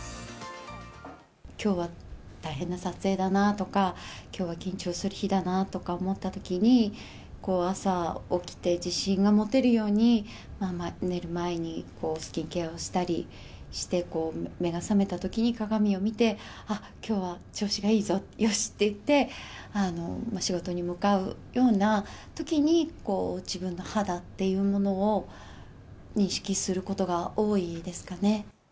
きょうは大変な撮影だなとか、きょうは緊張する日だなとか思ったときに、朝起きて自信が持てるように、寝る前にスキンケアをしたりして、目が覚めたときに鏡を見て、あっ、きょうは調子がいいぞ、よしって言って、仕事に向かうようなときに、自分の肌っていうものを認識することが多いですかね。